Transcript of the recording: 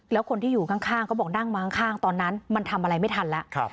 แล้วคนที่อยู่ข้างเขาบอกนั่งมาข้างตอนนั้นมันทำอะไรไม่ทันแล้ว